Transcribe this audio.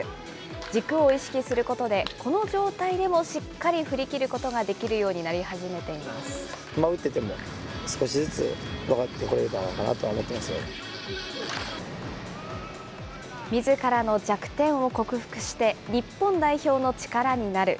軸を意識することで、この状態でもしっかり振り切ることができるようになり始めていまみずからの弱点を克服して、日本代表の力になる。